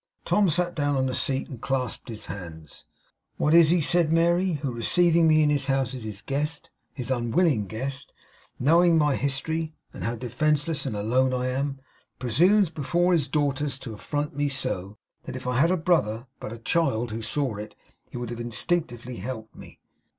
Tom sat down on a seat, and clasped his hands. 'What is he,' said Mary, 'who receiving me in his house as his guest; his unwilling guest; knowing my history, and how defenceless and alone I am, presumes before his daughters to affront me so, that if I had a brother but a child, who saw it, he would instinctively have helped me?